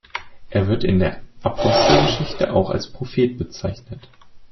Er wird in der Apostelgeschichte auch als Prophet bezeichnet.